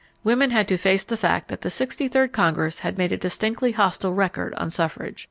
Women had to face the fact that the 63rd Congress had made a distinctly hostile record on suffrage.